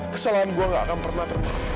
kesalahan gua gak akan pernah termaafkan